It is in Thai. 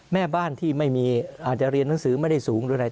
แม่บ้านที่ไม่มีอาจจะเรียนหนังสือไม่ได้สูงหรืออะไร